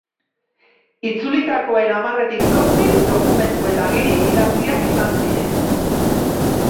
Itzulitakoen hamarretik zortzi dokumentu eta agiri idatziak izan ziren.